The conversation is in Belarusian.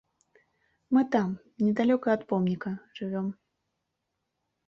Мы там, недалёка ад помніка, жывём.